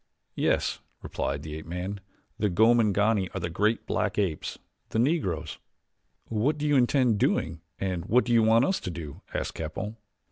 "Yes," replied the ape man, "the Gomangani are the great black apes the Negroes." "What do you intend doing and what do you want us to do?" asked Capell.